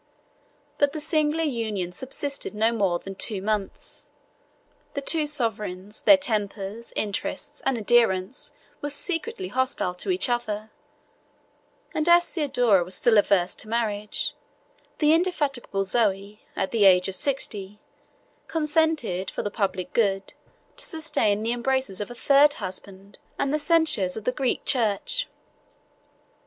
But the singular union subsisted no more than two months; the two sovereigns, their tempers, interests, and adherents, were secretly hostile to each other; and as Theodora was still averse to marriage, the indefatigable Zoe, at the age of sixty, consented, for the public good, to sustain the embraces of a third husband, and the censures of the Greek church.